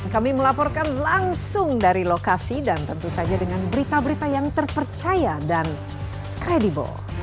kami melaporkan langsung dari lokasi dan tentu saja dengan berita berita yang terpercaya dan kredibel